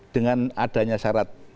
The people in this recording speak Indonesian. dengan adanya syarat putusannya